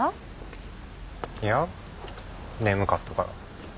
いや眠かったから。